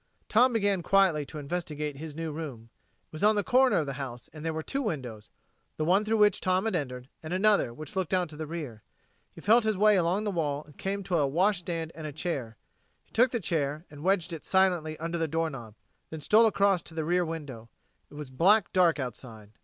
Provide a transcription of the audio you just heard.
Tom began quietly to investigate his new room. It was on the corner of the house, and there were two windows the one through which Tom had entered, and another which looked out to the rear. He felt his way along the wall and came to a wash stand and a chair. He took the chair and wedged it silently under the door knob; then stole across to the rear window. It was black dark outside.